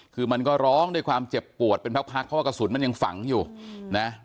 คือมันก็ร้องด้วยความเจ็บปวดเป็นพักเพราะว่ากระสุนมันยังฝังอยู่นะ